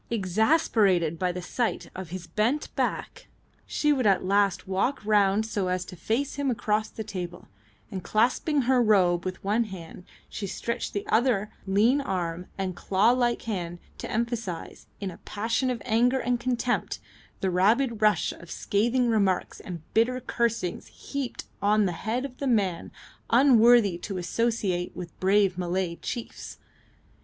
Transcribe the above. Exasperated by the sight of his patiently bent back, she would at last walk round so as to face him across the table, and clasping her robe with one hand she stretched the other lean arm and claw like hand to emphasise, in a passion of anger and contempt, the rapid rush of scathing remarks and bitter cursings heaped on the head of the man unworthy to associate with brave Malay chiefs.